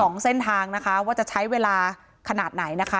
สองเส้นทางนะคะว่าจะใช้เวลาขนาดไหนนะคะ